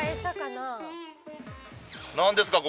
何ですか